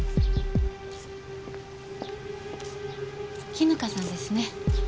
絹香さんですね。